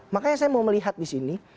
makanya saya mau melihat di sini